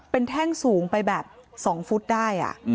เป็นแท่งสูงไปแบบ๒ฟุตได้